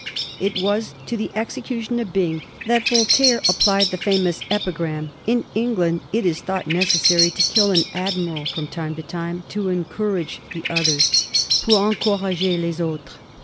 It was to the execution of Byng that Voltaire applied the famous epigram, " In England it is thought necessary to kill an admiral from time to time to encourage the others "— ^^pour encourager lea aw^re^.'